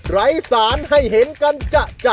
ไร้สารให้เห็นกันจะ